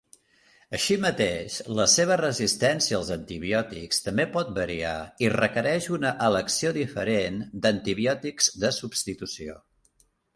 Així mateix, la seva resistència als antibiòtics també pot variar i requereix una elecció diferent d'antibiòtics de substitució.